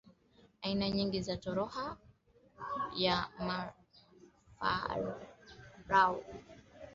Aina nyingine ni tohara ya Mafarao